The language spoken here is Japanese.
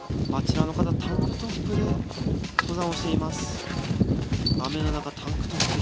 雨の中タンクトップで登山しています。